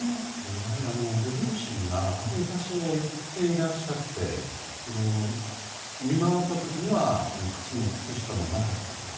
やはりご両親があの場所へ行っていらっしゃって見回った時には靴も靴下もなかったと。